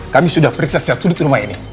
kami sudah periksa seluruh rumah ini